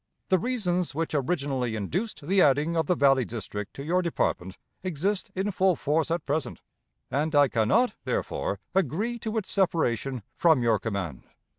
The reasons which originally induced the adding of the Valley district to your department exist in full force at present, and I can not, therefore, agree to its separation from your command.